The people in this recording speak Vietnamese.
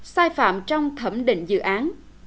sai phạm trong thẩm định dự án